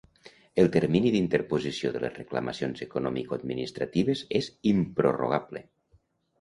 El termini d'interposició de les reclamacions economicoadministratives és improrrogable.